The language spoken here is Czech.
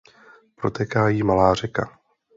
Protéká jí malá řeka.